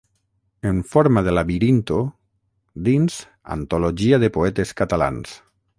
«En forma de labirinto» dins Antologia de poetes catalans.